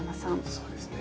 そうですね。